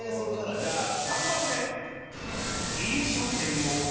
じゃあ３番で。